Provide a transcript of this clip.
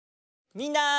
みんな。